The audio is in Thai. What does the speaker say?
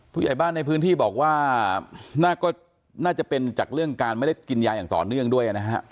ผู้ใหญ่บ้านในพื้นที่บอกว่าน่าจะเป็นจากเรื่องการไม่ได้กินยาอย่างต่อเนื่องด้วยนะฮะ